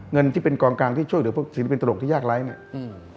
เงินที่เป็นกองกลางที่ช่วยอยู่กับพวกสิ่งที่เป็นตลกที่ยากไร้เนี่ย